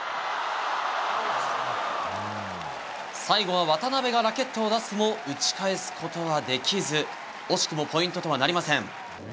最後は渡辺がラケットを出すも打ち返すことはできず惜しくもポイントとはなりません。